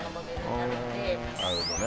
なるほどね。